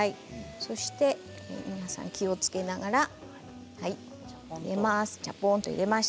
そして気をつけながら入れます。